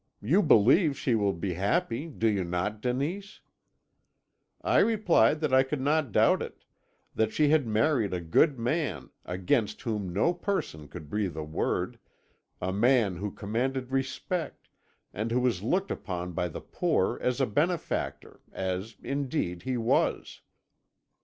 You believe she will be happy, do you not, Denise?' "I replied that I could not doubt it; that she had married a good man, against whom no person could breathe a word, a man who commanded respect, and who was looked upon by the poor as a benefactor as indeed he was.